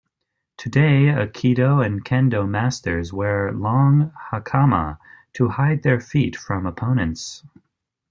Today Aikido and Kendo masters wear long hakama, to hide their feet from opponents.